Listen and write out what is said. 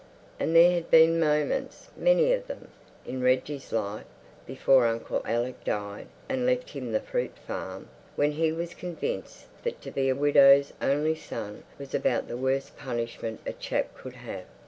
And there had been moments, many of them, in Reggie's life, before Uncle Alick died and left him the fruit farm, when he was convinced that to be a widow's only son was about the worst punishment a chap could have.